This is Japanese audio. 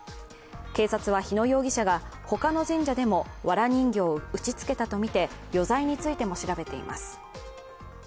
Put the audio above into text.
警察は日野容疑者が他の神社でもわら人形を打ちつけたとみて余罪についても調べています。